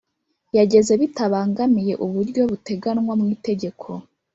Yageze bitabangamiye uburyo buteganwa mu itegeko